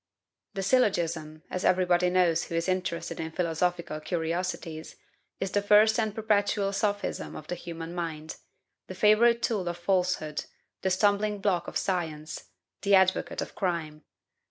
The syllogism, as everybody knows who is interested in philosophical curiosities, is the first and perpetual sophism of the human mind, the favorite tool of falsehood, the stumbling block of science, the advocate of crime.